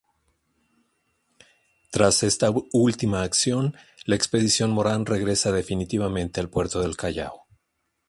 Tras esta última acción la expedición Morán regresa definitivamente al puerto del Callao.